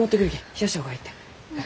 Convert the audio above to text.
冷やした方がえいって。